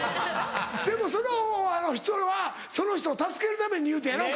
でもその人はその人を助けるために言うたんやろ？